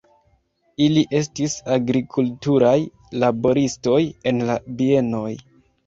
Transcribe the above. Ili estis agrikulturaj laboristoj en la bienoj.